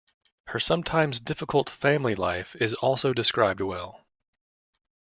Her sometimes difficult family life is also described well.